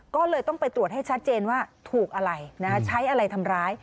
ก็เลยต้องไปตรวจให้ชัดเจนว่าถูกอะไรใช้อะไรทำร้าย